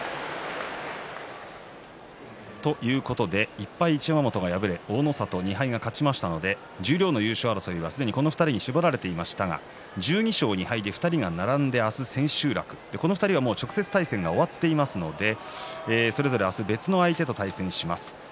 １敗の一山本が敗れ２敗の大の里は勝ちましたので十両の優勝争いはすでにこの２人に絞られていましたが１２勝２敗でこの２人が並んで明日、千秋楽この２人は直接の対戦が終わっていますので明日はそれぞれ別の相手と対戦します。